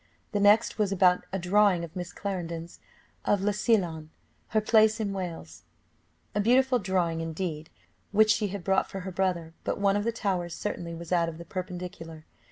The next was about a drawing of Miss Clarendon's, of Llansillan, her place in Wales; a beautiful drawing indeed, which she had brought for her brother, but one of the towers certainly was out of the perpendicular.